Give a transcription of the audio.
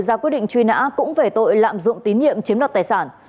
ra quyết định truy nã cũng về tội lạm dụng tín nhiệm chiếm đoạt tài sản